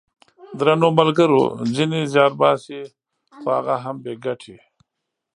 درنو ملګرو ! ځینې زیار باسي خو هغه هم بې ګټې!